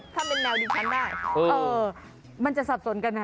ถ้าเป็นแนวดิพันธุ์ได้มันจะสับสนกันอ่ะ